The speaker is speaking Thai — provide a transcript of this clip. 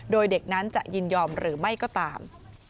โดยเด็กนั้นจะยินยอมหรือไม่ก็ตาม